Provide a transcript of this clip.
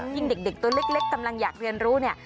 ยิ่งเด็กตัวเล็กกำลังอยากเรียนรู้เนี่ย